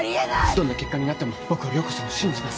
どんな結果になっても僕は涼子さんを信じます。